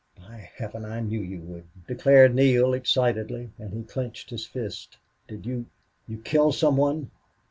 "By Heaven! I knew you would," declared Neale, excitedly, and he clenched his fist. "Did you you kill some one?"